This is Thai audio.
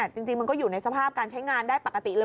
จริงมันก็อยู่ในสภาพการใช้งานได้ปกติเลย